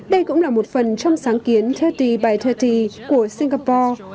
đây cũng là một phần trong sáng kiến ba mươi x ba mươi của singapore